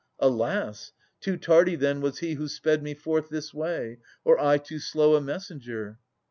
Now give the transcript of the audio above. Alas! Too tardy then was he who sped me forth This way; or I too slow a messenger.